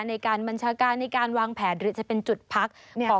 ในการบัญชาการในการวางแผนหรือจะเป็นจุดพัก